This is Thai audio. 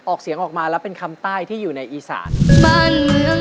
ออกเสียงออกมาแล้วเป็นคำใต้ที่อยู่ในอีสานบ้านเมือง